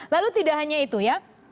lalu tidak hanya itu ya